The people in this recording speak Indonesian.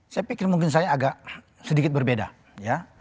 saya pikir mungkin saya agak sedikit berbeda ya